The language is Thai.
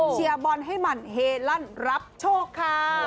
บอลให้หมั่นเฮลั่นรับโชคค่ะ